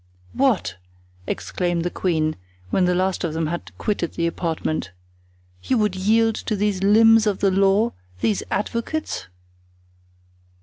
"What!" exclaimed the queen, when the last of them had quitted the apartment, "you would yield to these limbs of the law—these advocates?"